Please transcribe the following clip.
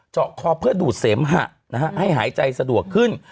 เจาะคอเพื่อดูดเสมหะให้หายใจสะดวกขึ้น